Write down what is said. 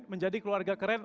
menjadi keluarga keren